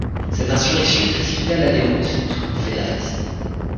Cette insurrection précipita la déroute des troupes fédéralistes.